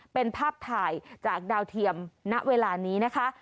เป็นภาพถ่ายจากดาวเทียมณเวลานี้นะคะ